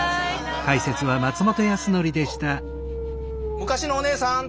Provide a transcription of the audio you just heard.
昔のおねえさん。